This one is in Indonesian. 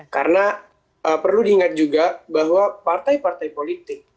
karena perlu diingat juga bahwa partai partai politik